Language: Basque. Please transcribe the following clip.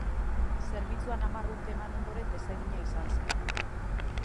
Zerbitzuan hamar urte eman ondoren desegina izan zen.